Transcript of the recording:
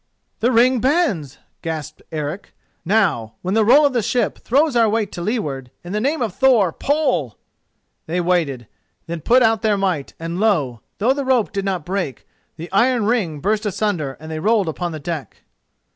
"The ring bends," gasped Eric. "Now, when the roll of the ship throws our weight to leeward, in the name of Thor pull!" They waited, then put out their might, and lo! though the rope did not break, the iron ring burst asunder and they rolled upon the deck.